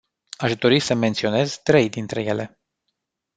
Aș dori să menționez trei dintre ele.